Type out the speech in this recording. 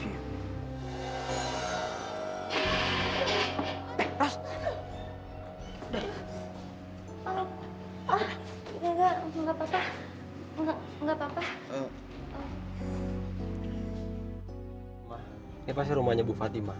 ini pasti rumahnya bu fatimah